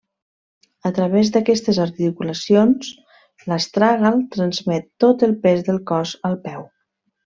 A través d'aquestes articulacions, l'astràgal transmet tot el pes del cos al peu.